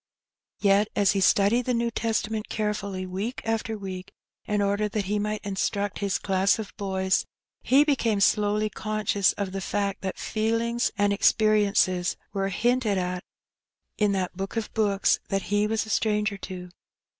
Yet as he studied the New Testament carefully week by week, in order that he might instruct his class of boys, he became slowly conscious of the fact that feelings and experiences were hinted at in that Book of books that he was a stranger to.